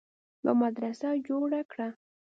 يوه مدرسه جوړه کړه